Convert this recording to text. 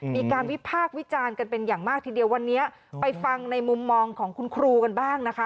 มีการวิพากษ์วิจารณ์กันเป็นอย่างมากทีเดียววันนี้ไปฟังในมุมมองของคุณครูกันบ้างนะคะ